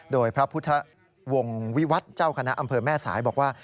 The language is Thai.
โดยพระพุทธวงศ์วิวัตรเจ้าคณะอำเภอแม่สายบอกว่า